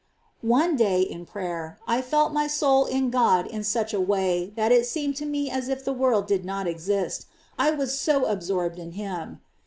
5. One day, in prayer, I felt my soul in God in such a way that it seemed to me as if the world did not exist, I was so absorbed in Him.